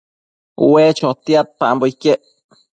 ue chotiadpambo iquec